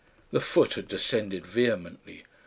The foot had descended vehemently!